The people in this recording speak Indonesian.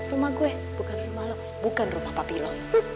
rumah gue bukan rumah lo bukan rumah papi lo